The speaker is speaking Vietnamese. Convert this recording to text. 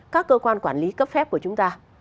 các cơ quan quản lý cấp phép của chúng ta